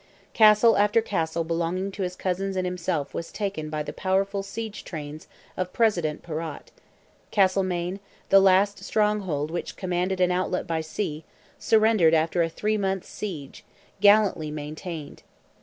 Castle after castle belonging to his cousins and himself was taken by the powerful siege trains of President Perrott; Castlemaine, the last stronghold which commanded an outlet by sea, surrendered after a three months' siege, gallantly maintained.